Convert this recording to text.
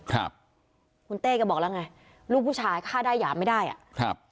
ครับคุณเต้ก็บอกแล้วไงลูกผู้ชายฆ่าได้หยามไม่ได้อ่ะครับ